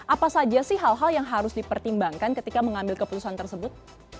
apa saja sih hal hal yang harus dipertimbangkan ketika mengambil keputusan tersebut